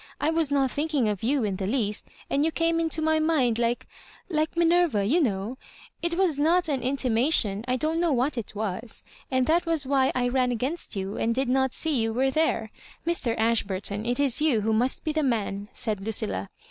I was not thinking of you in the least, and you came into my mind like^ like Minerva, you know. If it was not an inti mation, I don't know what it was. And that ' was why I ran against you, and did not see you were there. Mr. Ashburton, it is you who must be the man," said Lucilla.